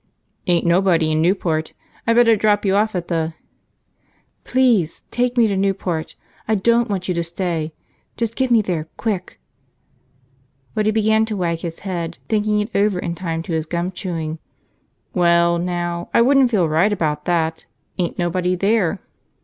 "Ain't nobody in Newport. I better drop you off at the ..." "Please take me to Newport! I don't want you to stay. Just get me there, quick!" But he began to wag his head, thinking it over in time to his gum chewing. "Well, now, I wouldn't feel right about that. Ain't nobody there."